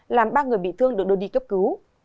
làm ba người bị thương được đưa đi cấp cứu